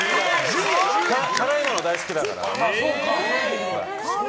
辛いもの大好きだから。